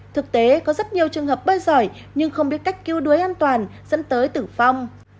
thực tế có rất nhiều trường hợp bơi giỏi nhưng không biết cách cứu đuối an toàn dẫn tới tử vong